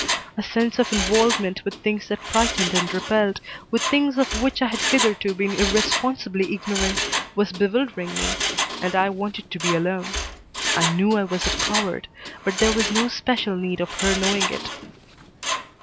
A sense of involvement with things that frightened and repelled, with things of which I had hitherto been irresponsibly ignorant, was bewildering me and I wanted to be alone. I knew I was a coward, but there was no special need of her knowing it.